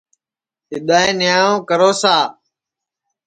اِدائے نِیاو کرو سا